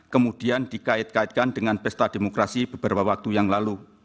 kemudian dikait kaitkan dengan pesta demokrasi beberapa waktu yang lalu